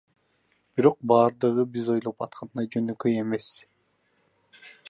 Бирок бардыгы биз ойлоп аткандай жөнөкөй эмес.